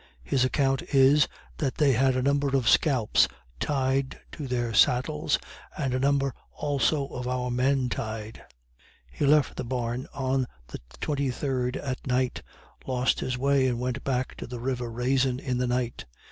His account is, that they had "a number of scalps tied to their saddles, and a number also of our men tied." He left the barn on the 23d at night lost his way, and went back to the river Raisin in the night.